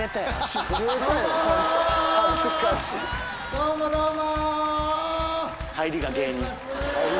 どうもどうも！